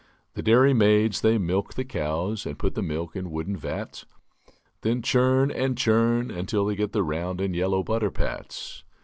The dairy maids they milk the cows And put the milk in wooden vats; Then churn and churn until they get The round and yellow butter pats.